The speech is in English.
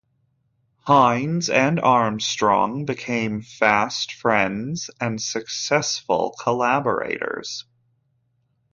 Hines and Armstrong became fast friends and successful collaborators.